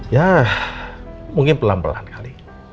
ya mungkin pelan pelan kali